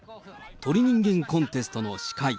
鳥人間コンテストの司会。